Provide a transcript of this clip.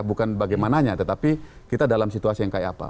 bukan bagaimananya tetapi kita dalam situasi yang kayak apa